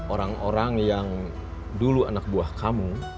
orang orang yang dulu anak buah kamu